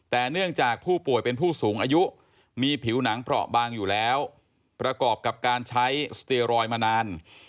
แต่เนื่องจากผู้ป่วยเป็นผู้สูงอายุมีผิวหนังเปราะบางอยู่แล้วประกอบกับการใช้สเตียรอยด์มานาน